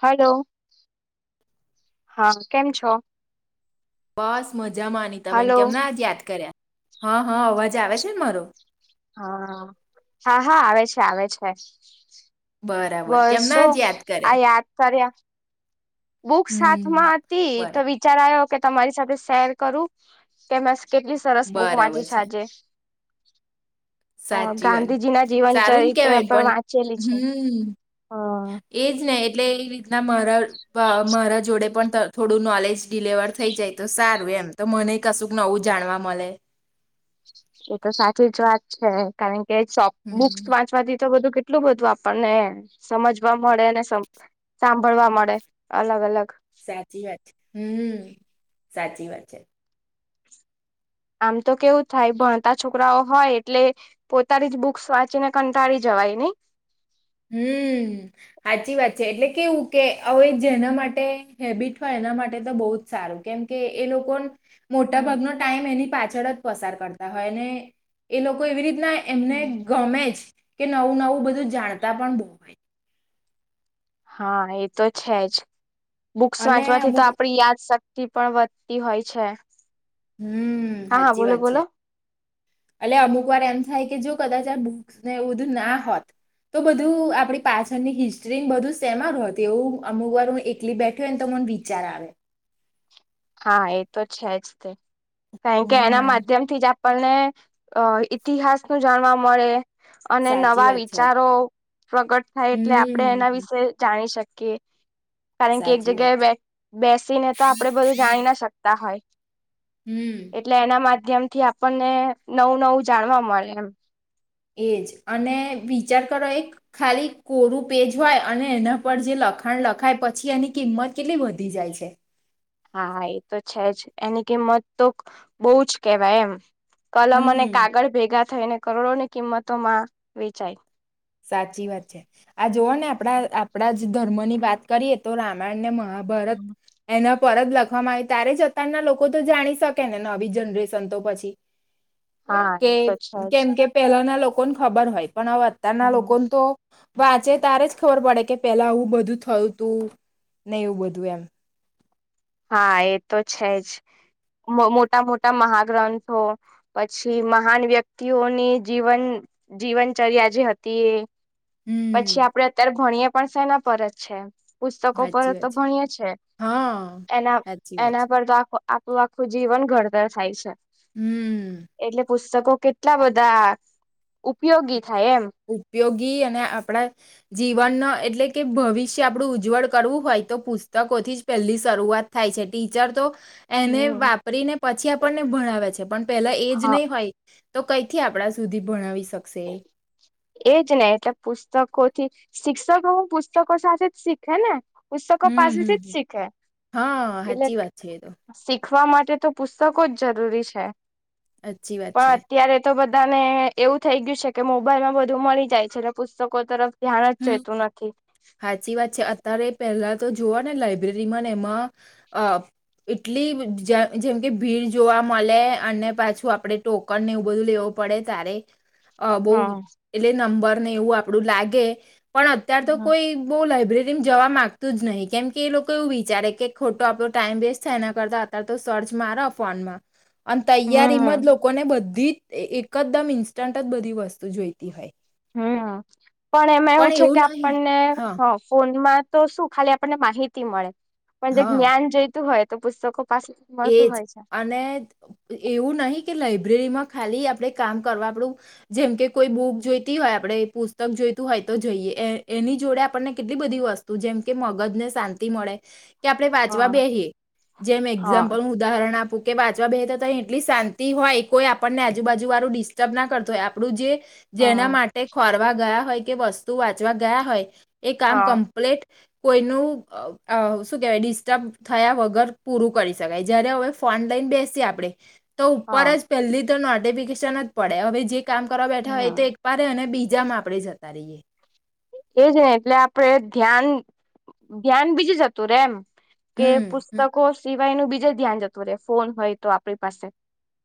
Hello હા કેમ છો બસ મજામાં અનિતાબેન હલો કેમ ના જ યાદ કર્યા હા હા અવાજ આવે છે ને મારો હા હા હા આવે છે આવે છે બરાબર બસ કેમના જો આજ યાદ આ કર્યા યાદ કર્યા બુક હમ સાથમાં હતી બર તો વિચારો કે તમારી સાથે શેર કરું કે કેટલી સરસ બુક વાંચી છે આજે હ સાચી વાત ગાંધીજીના જીવન સારું ને ચરિત્ર કેવાય પર પણ વાંચેલી છે હમ એજ ને એટલે એ રીતના મારા મારા જોડે પણ થોડું નોલેજ ડિલેવર થઈ જાય તો સારું એમ તો મને કશુંક નવું જાણવા મળે એ તો સાચી જ વાત છે, કારણ કે શોપ બુક્સ હમ વાંચવાથી તો બધું કેટલું બધું આપણને સમજવા મળે ને સાંભળવા મળે અલગ અલગ સાચી વાત છે હમ સાચી વાત છે, આમ તો કેવું થાય ભણતા છોકરાઓ હોય એટલે પોતાની જ બુક્સ વાંચીને કંટાળી જવાય નહી, હમ્મ સાચી વાત છે, એટલે કેવું કે હવે જેના માટે હેબિટ હોય એના માટે તો બહુ જ સારું કેમ કે એ લોકો મોટા હમ ભાગનો ટાઈમ એની પાછળ જ પસાર કરતા હોય અને એ લોકો એવી રીતના એમને હમ. ગમે જ કે નવું નવું બધું જાણતા પણ બોય હા, એ તો છે જ બુક્સ અને વાંચવાથી તો અમુક આપણી યાદ થી પણ વધતી હોય છે, હમ્મ હા હા સાચી બોલો વાત છે, બોલો અલ્યા અમુક વાર એમ થાય કે જો કદાચ આ બુક્સ ને બધું ના હોત તો બધું આપડી પાછળની હિસ્ટ્રી બધું સેમાં હોત એવું અમુક વાર હું એકલી બેઠીં હોય ને તો વિચાર આવે હા, એ તો છે જ તે કારણ કે એના હમ માધ્યમ થી જ આપણને અ ઇતિહાસ નું જાણવા મળે અને સાચી નવા વાત છે વિચારો પ્રગટ થાય એટલે આપણે એના હમ વિશેે જાણી શકીએ, કે કારણ કે એક સાચી વાત છે. જગ્યાએ બેસીને તો આપડે બધું જાણી ના શકતા હોય હમ એટલે એના માધ્યમ થી આપણને નવું નવું જાણવા મળે એમ. એજ અને વિચાર કરો એક ખાલી કોરું પેજ હોય અને એના પર જે લખાણ લખાય પછી એની કિંમત કેટલી વધી જાય છે, હા, એ તો છે જ એની કિંમત તો બહુ જ કેવાય એમ કલમ અને હમ કાગળ ભેગા થઈને કરોડોની કિંમતોમાં વેચાય સાચી વાત છે, આ જોવ ને આપડા આપડા જ ધર્મ ની વાત કરીએ તો રામાયણ ને મહાભારત એના પરત લખવામાં આવે ત્યારે જ અત્યારના લોકો તો જાણી શકે ને નવી જનરેશન તો પછી હા કે એ તો છે જ કેમ કે પેલાના લોકોને ખબર હોય પણ હવે અત્યારના લોકોને તો વાંચે તારે જ ખબર પડે કે પેલા આવું બધું થયું તું ને એવું બધું એમ હા, એ તો છે જ મોટા મોટા મહાગ્રંથો, પછી મહાન વ્યક્તિઓની જીવન જીવનચર્યા જે હતી એ પછી હમ આપડે અત્યારે ભણીય પણ સેના પર છે, એમ પુસ્તકો પર સાચી તો વાત ભણીએ છે, હા. એના સાચી વાત છે. એના પર તો આ આખું આખું જીવન ઘડતર થાય છે, હમ્મ પતકો કેટલા બધા ઉપયોગી થાય એમ. ઉપયોગી અને આપણા જીવનનો એટલે કે ભવિષ્ય આપડું ઉજ્જવળ કરવું હોય તો પુસ્તકો થી જ પહેલી શરૂઆત થાય છે, ટીચર તો એને હમ. વાપરીને પછી આપણને ભણાવે છે, પણ પેલા એજ હા નહી હોય તો કઈથી આપણા સુધી ભણાવી શકશે. એજ ને એટલે પુસ્તકોથી શિક્ષકો હું પુસ્તકો સાથે જ શીખે ને પુસ્તકો હમ પાસેથી હમ. જ શીખે હા એટલે સાચી વાત છે એ તો લીખવા માટે તો પુસ્તકો જ જરૂરી છે, સાચી વાત છે. પણ અત્યારે તો બધા બધાને એવું થઈ ગયું છે, કે મોબાઈલમાં બધું મળી જાય છે, અને પુસ્તકો તરફ ધ્યાન જ હમ. જતું નથી સાચી વાત છે, અત્યારે પહેલા તો જોવા ને લાઈબ્રેરીમાં ને એમાં અ એટલી જજેમ કે ભીડ જોવા મળે અને પાછું આપડે ટોકનને એવું બધું લેવુ પડે તારે અ બહ હા. એટલે નંબર ને એવું આપડું લાગે પણ અત્ય્યારેાર તો કોઈ બહ લાઈબ્રેરી જવા માંગતું જ નહીં કેમ કે એ લોકો એવું વિચારે કે ખોટો આપણો ટાઈમ વેસ્ટ થાય એના કરતા અત્યારે તો શર ચજ મારો ફોનમાં અને હમ. તૈયારીમાં જ લોકોને બધી એકદમ ઇન્સ્ટન્ટ જ બધી વસ્તુ જોઈતી હોય હમ્મ પણ એમાં એવું છે કે આપણને ફોનમાં તો શું ખાલી આપણને માહિતી મળે પણ જે હા જ્ઞાન જઈતું હોય તો પુસ્તકો પાસેથી મળતું એજ હોય છે. અને એવું નહી લાઈબ્રેરીમાં ખાલી આપડે કામ કરવા આપડું જેમકે કોઈ બુક જોઈતી હોય આપડે પુસ્તક જોઈ હોય તો જઈએ એ એની જોડે આપણને કેટલી બધી વસ્તુ જેમ કે મગજ ને શાંતિ મળે કે આપડે વાંચવા હા બેહીએ જેમ એક્ઝામ હા ઉદાહરણ આપું કે વાંચવા બેહેતા ત એટલી શાંતિ હોય કોઈ આપણને આજુબાજુ વારું ડિસ્ટર્બ ના કરતો હોય આપણું જે જેના હા માટે ખોરવા ગયા હોય કે વસ્તુ વાંચવા ગયા હોય એ કામ હા કમ્પ્લીટ કોઈનું અ શું કેવાય ડિસ્ટર્બ થયા વગર પૂરું કરી જયારે હવે ફોન લઈને બેસીએ આપણે તો ઉપર હા જ પહેલી તો નો નોટિફિકેશન જ પડે હવે જે કામ કરવા બેઠા હોય એ હમ તો એક પારે અને બીજામાં આપડે જતા રહીએ એજ ને એટલે આપડે ધ્યાન ધ્યાન બીજું જતું રે એમ કે હમ હમ પુસ્તકો સિવાય નો બીજે ધ્યાન જતું રહેે ફોન હોય તો આપણી પાસે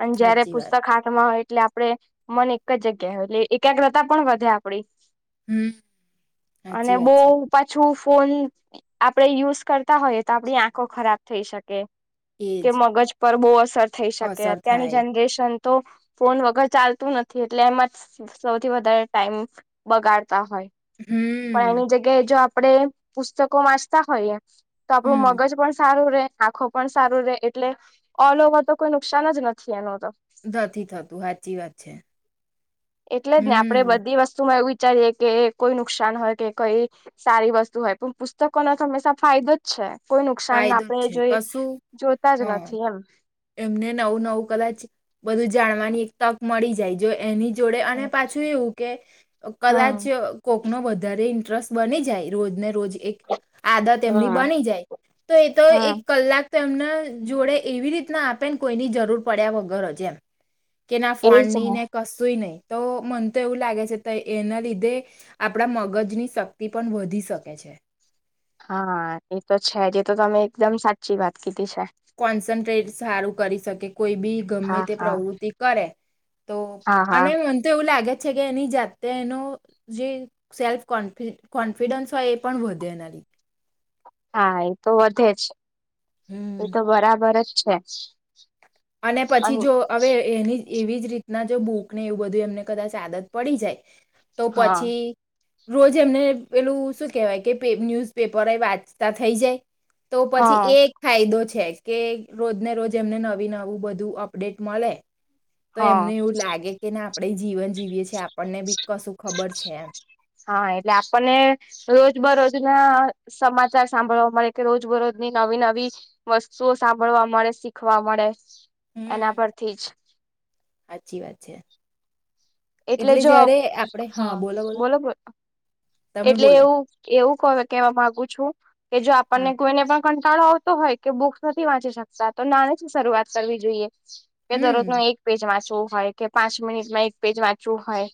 અને જયારે સાચી વાત પુસ્તક હાથમાં હોય એટલે આપણે મન એક જ જગ્યા હોય એટલે એકાગ્રતા પણ વધે આપડી હમ અને સાચી વાત બઉ છે પાછું ફોન આપડે યુઝ કરતા હોયએ તો આપણી આંખો ખરાબ થઈ શકે કે એજ મગજ પર બહુ અસર થઈ શકે અસર અત્યારની થાય જનરેશન તો ફોન વગર ચાલતું નથી એટલે એમાં સૌથી વધારે ટાઈમ બગાડ તા હોય પણ હમ એની જગ્યાએ જો આપણે પુસ્તકો વાંચતા હોઈએ તો આપડું હમ મગજ પણ સારું રે આખો પણ સારું રે એટલે ઓલ ઓવર તો કોઈ નુકસાન જ નથી એનો તો નથી થતું હાચી વાત છે એટલે જ ને આપડે હમ બધી વસ્તુમાં એવી વિચારીએ કે કોઈ નુકસાન હોય કે કોઈ સારી વસ્તુ હોય પણ પુસ્તકોનો તો હંમેશા ફાયદો જ છે કોઈ નુકસાન ફાયદો જ આપણેે છે જોઈ કશું જોતા જ હા નથી એમ એમને નવું નવું કદાચ બધું જાણવાની એક તક મળી જાય જો એની જોડે અને હા પાછું એવું કે કદાચ કોક નો વધારે ઇ ટ્રસ્ટ બની જાય રોજ ને રોજ એક આદત એમની હા બની જાય તો એ તો હા એક કલાક તેમના જોડે એવી રીતના આપેને કોઈની જરૂર પડ્યા વગર જ એમ. કે ના ફોન ની ને કશુંઈ નહી. તો મને તો એવું લાગે છે એના લીધે આપણા મગજની શક્તિ પણ વધી શકે છે. હા એ તો છે જ તો તમે એકદમ સાચી વાત કીધી. છે કોન્સન્ટ્રેટ સારું કરી શકે કોઈ બી ગમે હા તે હા પ્રવૃત્તિ કરે. તો હા અને હા મને તો એવું લાગે. છે કે એની જાતે એનો જે સેલ્ફ કોન્ફિડન્સ હોય એ પણ વધે એનારી [inaudible] હા એ તો વધે છે હમ. એતો બરાબર જ છે. અને પછી જો અવે એની એવી જ રીતના જો બૂકને એવું બધું એમને કદાચ આદત પડી જાય તો હા પછી રોજ એમને પેલું શું કેહેવાય કે ન્યૂઝ પેપર એ વાચતા થઈ જાય. તો પછી હા એ એક ફાયદો છે કે રોજ ને રોજ એમને નવી નવી બધુ અપડેટ મળે તો એમને હા એવું લાગે કે આપણે જીવન જીવીએ છે આપ હા એટલે આપણને રોજ બરોજ ના સમાચાર સાંભળવા મળે કે રોજ બરોજની નવી નવી વસ્તુઓ સાંભળવા મળે શીખવા મળે એના હમ. પરથી સાચી વાત છે એટલે જયારે આપડે હા બોલો બોલો. તમે એટલે બોલો એવું એવું કેવા માંગુ છું કે જો આપણને હા કોઈને પણ કંટાળો આવતો હોય કે બુક્સ નથી વાંચી શકતા તો નાનેથી શરૂઆત કરવી જોઈએ કે દરરોજ હમ નું એક પેજ વાંચું. હોય કે પાંચ મિનિટમાં એક પેજ વાંચવું હોય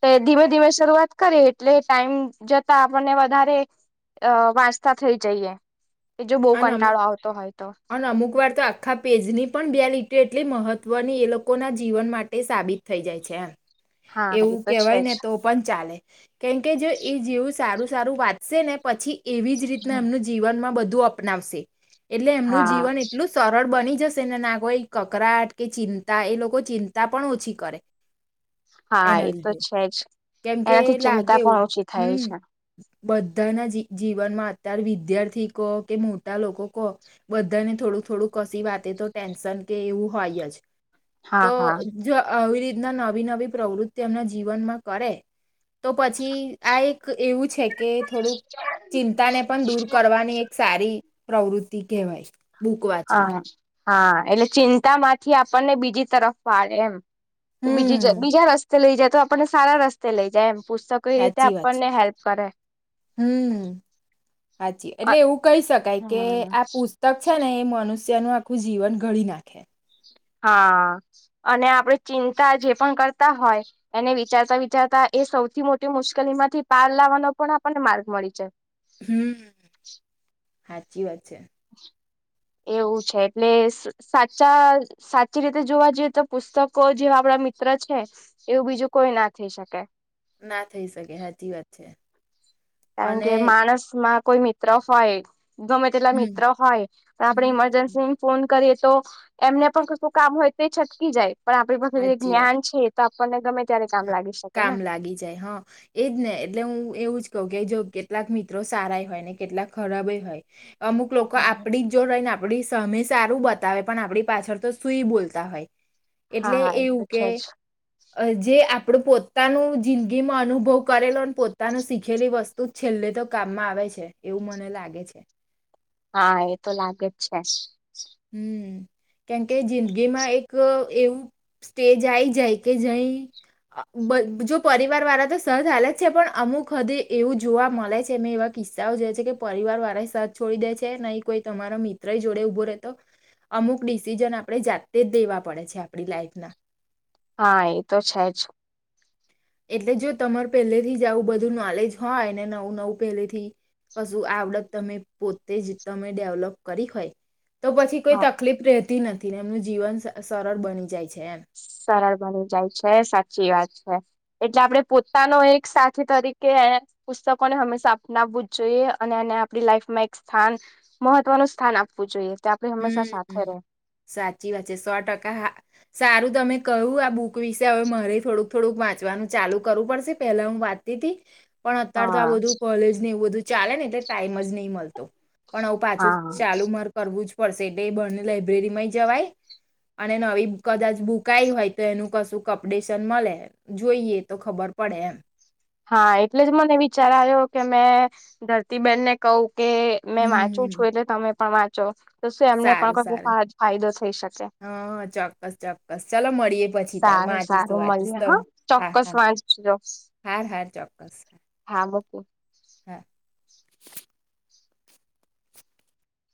તો ધીમે ધીમે શરૂઆત કરીએ. એટલે ટાઈમ જતા આપણને વધારે વાચતા થઈ જઈએ. કે જો બહુ અને અમુક કંટાળો આવતો હોય તો અને અમુક વાર તો આખા પેજની પણ તો એટલી મહત્વની એ લોકોના જીવન માટે સાબિત થઈ જાય છે. એમ હા એ એવું તો કેવાય છે જ ને તો પણ ચાલે કેમકે જો એ જેવું સારું સારું વાંચશે ને પછી એવી જ રીતના એમનું જીવનમાં બધું અપનાવશે એટલે એમનું હા જીવન એટલું સરળ બની જશે ને ના કોઈ કકરાટ કે ચિંતા એ લોકો ચિંતા પણ ઓછી કરે. હા એના એ તો લીધે છે જ કેમ કે એનાથી લાગે ચિંતા એવું પણ ઓછી થાય હમ. છે બધાના જ જીવનમાં અત્ય્યારે વિદ્યાર્થીિક. કે મોટા લોકો કહ બધાને થોડુંક થોડું કસી વાતે તો ટેન્શન કે એવું હોય જ. તો હા હા જો આવી રીતના નવી નવી પ્રવૃત્તિ એમના જીવનમાં કરે. તો પછી આ એક એવું છે કે થોડુંક ચિંતાને પણ દૂર કરવાની એક- સારી પ્રવૃતિ કહેવાય, બુક વાચવી. હા હા..... એટલે ચિંતામાંથી આપણને બીજી તરફ વાળે એમ કે, બીજી હમ બીજા રસ્તા. જો લઈ જાય તો આપડને સારા રસ્તે લઈ જાય એમ. પુસ્તકો એવી રીતે સાચી વાત છે. આપડને હેલ્પ કરે. હમ [unintelligible] એટલે એવું કઈ શકાય કે, હમ આ પુસ્તક છે ને એ મનુષ્ જેનું આખું જીવન ઘડી નાખે હા, અને આપડે ચિંતા જે પણ કરતા હોય એને વિચારતા-વિચારતા એ સૌથી મોટી મુશ્કેલીમાંથી પાર લાવાનો પણ આપડને માર્ગ મળી જાય. હમ, હાચી વાત છે. [inaudible] એવું છે એટલે સાચા સાચી રીતે જોવા જઈએ તો પુસ્તકો જે આપડા. મિત્ર છે એવું બીજું કોઈ ના થઈ શકે. ના થઈ શકે, હાચી વાત છે. કારણ અને કે માણસ માં કોઈ મિત્ર હોય ગમે તેટલા હમ મિત્રો હોય તો આપેડે હમ ઇમરજન્સી ફોન કરીએ તો એમને પણ કશું કામ હોય તે છટકી જાય પણ આપણી પાસે સાચી વાત જ્ઞાન છે તે આપડી પણ એ ગમે ત્યારે કામ લાગી શકે ને કામ લાગી જાય હ એજ ને એટલે હું એવું જ તોકે જો કેટલાક મિત્રો સારા એ હોય ને કેટલાક ખરાબે હોય અમુક લોકો આપડી જ જો રહી ને આપડી તમે સારું બતાવે પણ આપડી પાછળ તો સુઈ બોલતા હોય એટલે હા એ એવું તો કે છે જ જે આપડું પોતાનું જિંદગીમાં અનુભવ કરેલો પોતાનું શીખેલી વસ્તુ છેલ્લે તો કામમાં આવે છે એવું મને લાગે છે હા એ તો લાગે જ છે હમ કેમકે જિંદગીમાં એક એવું સ્ટેજ આઈ જાય કે જઈ આ બ જો પરિવાર વાળા તો સહજ હાલત છે પણ અમુક હદે એવું જોવા મળે છે મેં એવા કિસ્સાઓ જે છે કે પરિવાર વારા સાથે છોડી દે છે નહી કોઈ તમારો મિત્ર જોડે ઉભો રહે તો અમુક ડિસિઝન આપણે જાતે જ દેવા પડે છે આપણી લાઈફના હા એ તો છે જ એટલે જો તમાર પહેલેથી એવું બધું નોલેજ હોય ને નવું નવું પહેલે થી કશું આવડત તમે પોતે જ તમે ડેવલોપ કરી હોય તો પછી કોઈ હા તકલીફ રહેતી નથી ને એમનું જીવન સરળ બની જાય છે એમ સરળ બની જાય છે સાચી વાત છે એટલે આપડે પોતાનો એક સાથી તરીકે પુસ્તકોને હંમેશા અપનાવવું જ જોઈએ અને આને આપડી લાઈફમાં એક સ્થાન મહત્વનું સ્થાન આપવું જોઈએ તે આપણે હંમેશા સાથે હમ્મ રહે સાચી વાત છે સો ટકા હા સારું તમે કું આ બુક કોઈ વિશે હવે મારે થોડુંક થોડુંક વાંચવાનું ચાલુ કરવું પડશે પેલા હું વાંચતી તી પણ અત્યાર તો આ હા બધું કોલેજ ને એવું બધું ચાલે ને એટલે ટાઈમ જ નહીં મળતો પણ આવું પાછું હા ચાલુ માર કરવું જ પડશે એટલે બહને લાઈબ્રેરીમાંય જવાય અને નવી કદાચ ભૂકઈ હોય તો એનું કશું અપડેશન મળે જોઈએ તો ખબર પડે એમ હા એટલે જ મને વિચાર આવ્યો કે મેં ધરતીબેનને કહું કે મેં વાંચું હમ્મ. છું એટલે તમે પણ વાંચો તો શું એમને પણ સારું કોઈ સારું ફાયદો થઈ શકે હા ચોક્કસ ચોક્કસ ચલો મળીએ પછી તાર સારું વાંચીશું સારું વાંચીશ મળેએ તો હા હા ચોક્કસ હા વાંચજો હાર હાર હા મુકું હે